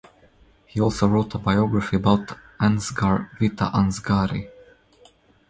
He also wrote a biography about Ansgar; "Vita Ansgari".